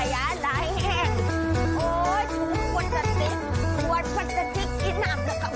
โอ๊ยทุกคนจะเต็มทุกคนจะทิ้งไอ้น้ำเดี๋ยวก็เต็ม